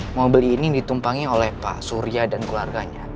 mobil ini ditumpangi oleh pak surya dan keluarganya